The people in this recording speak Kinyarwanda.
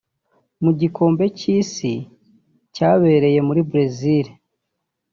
Mu gikombe cy’Isi cyabereye muri Brazil